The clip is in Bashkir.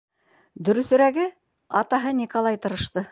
Дөрөҫөрәге, атаһы Николай тырышты.